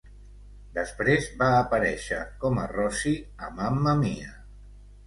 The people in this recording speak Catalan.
Després, va aparèixer com a "Rosie" a "Mamma Mia!".